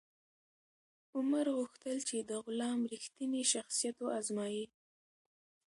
عمر غوښتل چې د غلام رښتینی شخصیت و ازمایي.